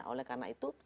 oleh karena itu